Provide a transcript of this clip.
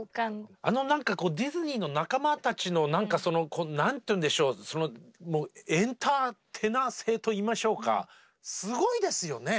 あの何かディズニーの仲間たちの何て言うんでしょうエンターテイナー性といいましょうかすごいですよね。